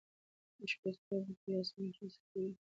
د شپې ستوري د کلي اسمان ښايسته کوي.